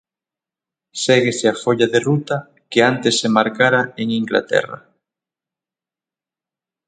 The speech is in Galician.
Séguese a folla de ruta que antes se marcara en Inglaterra.